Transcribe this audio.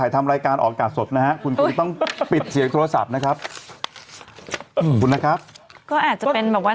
ใส่กะเพรากะเพรา